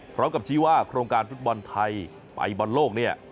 พร้อมกับชี้ว่าโครงการฟุตบอลไทยไปบอลโลกเนี่ย